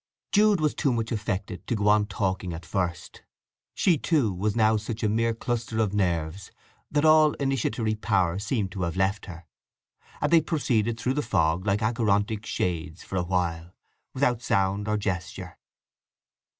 Jude was too much affected to go on talking at first; she, too, was now such a mere cluster of nerves that all initiatory power seemed to have left her, and they proceeded through the fog like Acherontic shades for a long while, without sound or gesture.